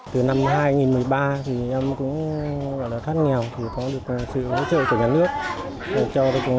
từ năm hai nghìn một mươi ba thì em cũng gọi là thoát nghèo thì có được sự hỗ trợ của nhà nước